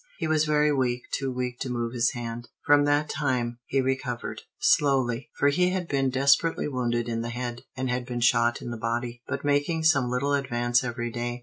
He was very weak, too weak to move his hand. From that time, he recovered. Slowly, for he had been desperately wounded in the head, and had been shot in the body, but making some little advance every day.